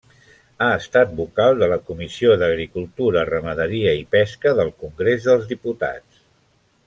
Ha estat Vocal de la Comissió d'Agricultura, Ramaderia i Pesca del Congrés dels Diputats.